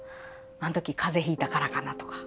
あんとき風邪ひいたからかなとか。